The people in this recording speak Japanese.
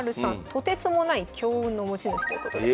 とてつもない強運の持ち主ということで。